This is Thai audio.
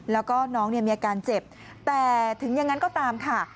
แล้วก็น้องเนี่ยมีอาการเจ็บแต่ถึงอย่างนั้นก็ตามค่ะ